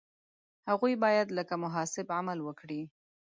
هغوی باید لکه محاسب عمل وکړي.